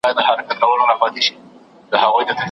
ټولنیزې اړیکې مو په ژوند کي اغېز لري.